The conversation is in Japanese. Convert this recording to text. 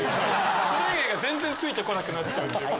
それ以外が全然ついて来なくなっちゃう。